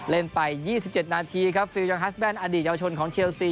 เล่นไป๒๗นาทีครับฟิลยอนฮัสแนนอดีตเยาวชนของเชลซี